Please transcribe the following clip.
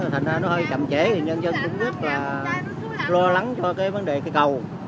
thành ra nó hơi chậm trễ thì nhân dân cũng rất là lo lắng cho cái vấn đề cây cầu